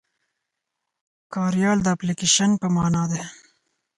کاریال د اپليکيشن په مانا دی.